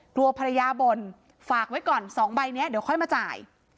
กลัวภรรยาบ่นฝากไว้ก่อน๒ใบนี้เดี๋ยวค่อยมาจ่าย